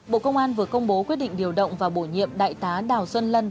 bộ công an vừa công bố quyết định điều động và bổ nhiệm đại tá đào xuân lân